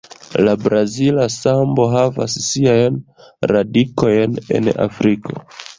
La brazila sambo havas siajn radikojn en Afriko.